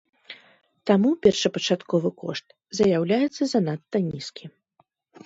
Таму першапачатковы кошт заяўляецца занадта нізкі.